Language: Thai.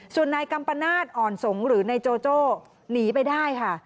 ส่วนนายกัมปนาศอ่อนสงศ์หรือนายโจโจ้หนีไปได้ค่ะ